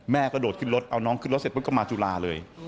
แม่ก็โดดขึ้นรถเอาน้องขึ้นรถเสร็จก็มาจุฬาเลย